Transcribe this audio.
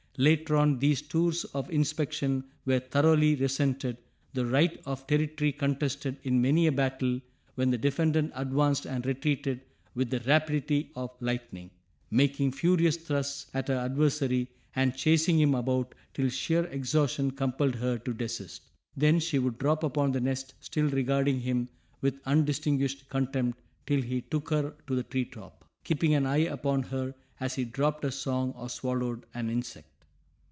Later on these tours of inspection were thoroughly resented, the right of territory contested in many a battle when the defendant advanced and retreated with the rapidity of lightning, making furious thrusts at her adversary, and chasing him about till sheer exhaustion compelled her to desist. Then she would drop upon the nest still regarding him with undistinguished contempt till he took her to the tree top, keeping an eye upon her as he dropped a song or swallowed an insect.